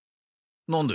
なんで？